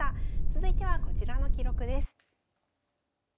続いてはこちらの記録です。